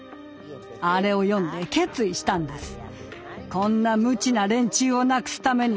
あれを読んで決意したんです。